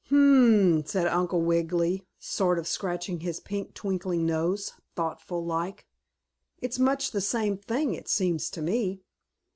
"Hum!" said Uncle Wiggily, sort of scratching his pink, twinkling nose, thoughtful like. "It's much the same thing, it seems to me."